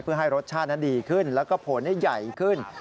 เพื่อให้รสชาตินั้นดีขึ้นแล้วก็ผลให้ใหญ่ขึ้น